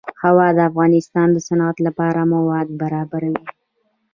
هوا د افغانستان د صنعت لپاره مواد برابروي.